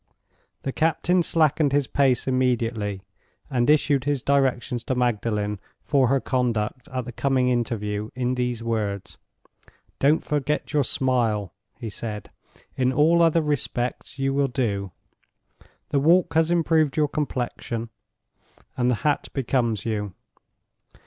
The captain slackened his pace immediately, and issued his directions to Magdalen for her conduct at the coming interview in these words: "Don't forget your smile," he said. "In all other respects you will do. The walk has improved your complexion, and the hat becomes you.